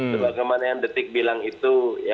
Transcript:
sebagaimana yang detik bilang itu